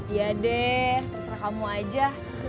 ya deh terserah kamu aja